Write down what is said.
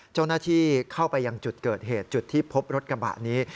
เจ้าหน้าที่เข้าไปยังจุดเกิดเหตุจุดที่พบรถกระบะนี้